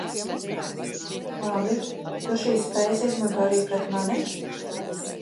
Labi, tu šīs spējas izmanto arī pret mani?